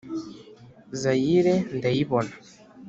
Zayire ndayibona